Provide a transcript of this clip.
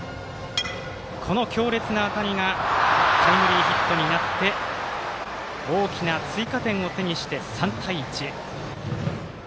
この強烈な当たりがタイムリーヒットになって大きな追加点を手にして３対１。